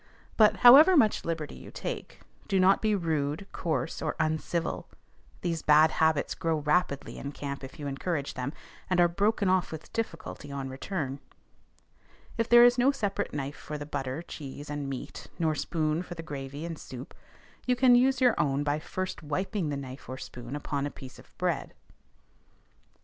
But, however much liberty you take, do not be rude, coarse, or uncivil: these bad habits grow rapidly in camp if you encourage them, and are broken off with difficulty on return. If there is no separate knife for the butter, cheese, and meat, nor spoon for the gravy and soup, you can use your own by first wiping the knife or spoon upon a piece of bread.